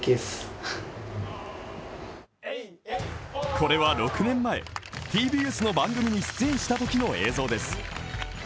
これは６年前、ＴＢＳの番組に出演したときの映像です。